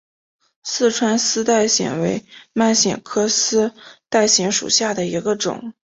四川丝带藓为蔓藓科丝带藓属下的一个种。